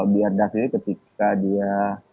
biar david ketika dia